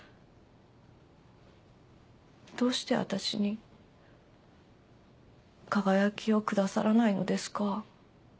どうして私に「かがやき」をくださらないのですか？